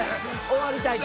終わりたい？